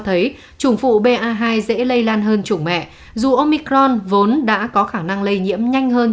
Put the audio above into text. thấy chủng phụ ba hai dễ lây lan hơn chủng mẹ dù omicron vốn đã có khả năng lây nhiễm nhanh hơn